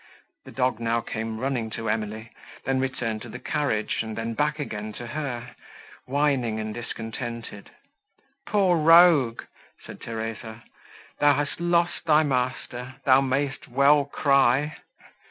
The dog now came running to Emily, then returned to the carriage, and then back again to her, whining and discontented. "Poor rogue!" said Theresa, "thou hast lost thy master, thou mayst well cry!